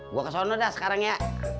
gue kesana dah sekarang ya